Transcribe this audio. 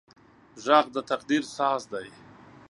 غږ د تقدیر ساز دی